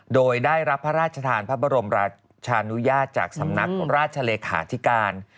โดยได้รับพระราชทานพระบรมราชานุญาตจากสำนักราชเลขาธิการ